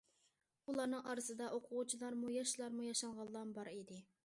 ئۇلارنىڭ ئارىسىدا ئوقۇغۇچىلارمۇ، ياشلارمۇ، ياشانغانلارمۇ بار ئىدى.